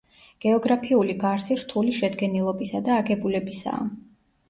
გეოგრაფიული გარსი რთული შედგენილობისა და აგებულებისაა.